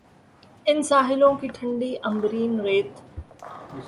ان ساحلوں کی ٹھنڈی عنبرین ریت